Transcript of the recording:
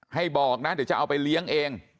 บอกนะเดี๋ยวจะเอาไปเลี้ยงเอง